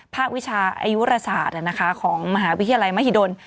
วิชาอายุราศาสตร์ของมหาวิทยาลัยมหิดล